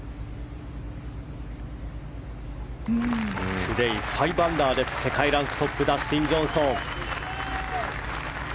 トゥデー、５アンダーで世界ランクトップダスティン・ジョンソン。